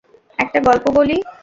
একটা গল্প বলি।